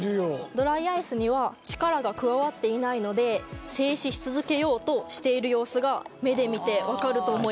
ドライアイスには力が加わっていないので静止し続けようとしている様子が目で見て分かると思います。